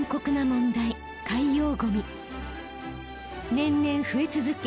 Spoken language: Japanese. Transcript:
年々増え続け